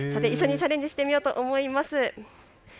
一緒にチャレンジしてみようと思います。